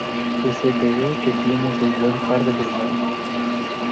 que se te ve que tienes un buen par de pulmones.